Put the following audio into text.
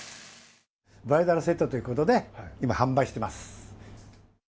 ブライダルセットということで、今、販売してます。